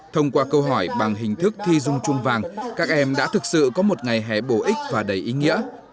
thông qua câu hỏi bằng hình thức thi dung chuông vàng các em đã thực sự có một ngày hè bổ ích và đầy ý nghĩa